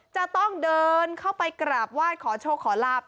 จะต้องเดินเข้าไปกราบไหว้ขอโชคขอลาบ